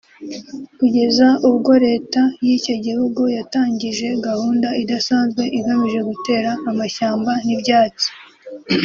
kugeza ubwo leta y’ icyo gihugu yatangije gahunda idasanzwe igamije gutera amashyamba n’ibyatsi